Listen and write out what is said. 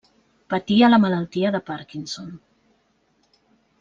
Patia la malaltia de Parkinson.